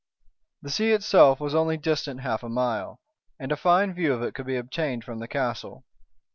The sea itself was only distant half a mile, and a fine view of it could be obtained from the castle.